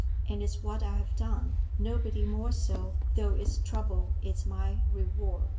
And it's what I've done nobody more so though it's trouble is my reward."